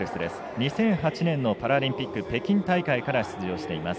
２００８年のパラリンピック北京大会から出場しています。